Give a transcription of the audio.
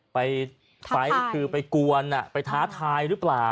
ไปฟัยคือไปกวนไปท้าทายรึเปล่า